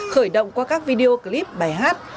khởi động qua các video clip bài hát